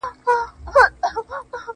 • کلونه کیږي بې ځوابه یې بې سواله یې.